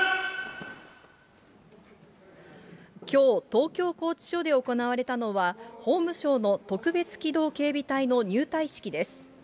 きょう、東京拘置所で行われたのは、法務省の特別機動警備隊の入隊式です。